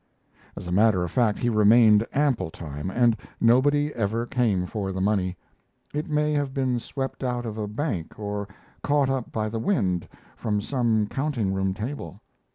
As a matter of fact, he remained ample time and nobody ever came for the money. It may have been swept out of a bank or caught up by the wind from some counting room table.